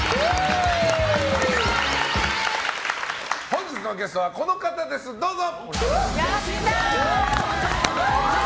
本日のゲストはこの方ですどうぞ！